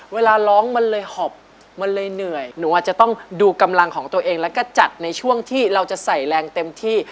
เวลาร้องมันเลยหอบมันเลยเหนื่อยหนูอาจจะต้องดูกำลังของตัวเองแล้วก็จัดในช่วงที่เราจะใส่แรงเต็มที่